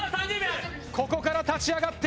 ここから立ち上がって。